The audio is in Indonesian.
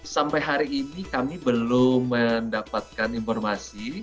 sampai hari ini kami belum mendapatkan informasi